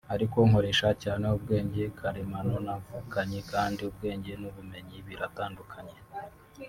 ariko nkoresha cyane ubwenge karemano navukanye kandi ubwenge n’ubumenyi biratandukanye